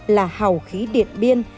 là hào khí điện biên